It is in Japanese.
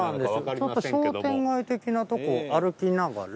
ちょっと商店街的なとこを歩きながら。